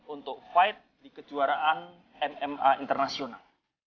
untuk fight di kejuaraan mma internasional